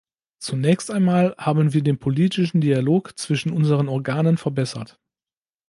Zunächst einmal haben wir den politischen Dialog zwischen unseren Organen verbessert.